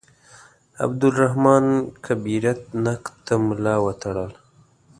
عبدالرحمان کبریت نقد ته ملا وتړله.